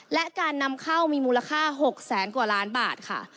และการนำเข้ามีมูลค่า๖แสนกว่าล้านบาทค่ะ